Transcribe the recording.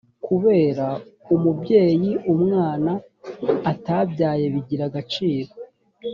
kubera umubyeyi umwana utabyaye bigira agaciro